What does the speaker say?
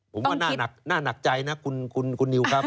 ผมว่าน่าหนักใจนะคุณนิวครับ